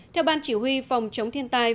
theo ban chỉ huy phòng chống thiên tai